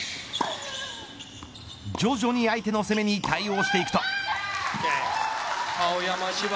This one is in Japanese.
徐々に相手の攻めに対応していくと。